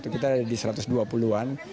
kita ada di satu ratus dua puluh an